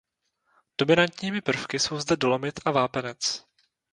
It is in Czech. Dominantními prvky jsou zde dolomit a vápenec.